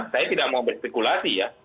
saya tidak mau berspekulasi ya